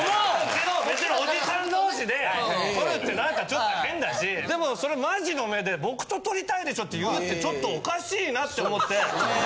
けど別におじさん同士で撮るって何かちょっと変だしでもそれマジの目で「僕と撮りたいでしょ」って言うってちょっとおかしいなって思って。